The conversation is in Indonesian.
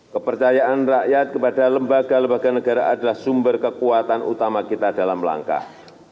kepercayaan rakyat kepada lembaga lembaga negara adalah sumber kekuatan utama kita dalam langkah